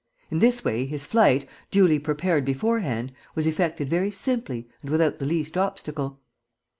In this way his flight, duly prepared beforehand, was effected very simply and without the least obstacle."